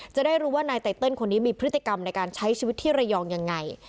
จะได้รู้ว่านายไตเติลคนนี้มีพฤติกรรมในการใช้ชีวิตที่ระยองยังไง